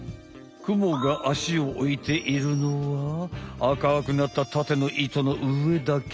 クモがアシをおいているのはあかくなったタテの糸の上だけ。